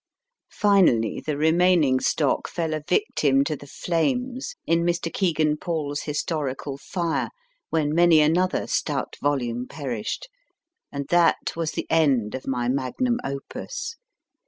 Finally, the remaining stock fell a victim to the flames in Mr. Kegan Paul s historical fire, when many another stout volume perished : and that was the end of my magnum opus.